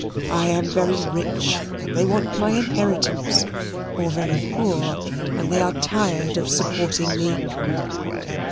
I am very rich, and they want my inheritance or very poor, and they are tired of supporting me."